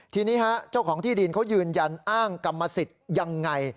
ทีนี้ฮะเจ้าของที่ดินเขายืนยันอ้างกรรมสิทธิ์ยังไง